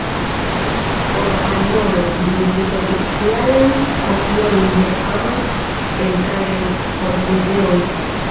Por fari monon, li igis oficialajn kopiojn de famaj pentraĵoj por muzeoj.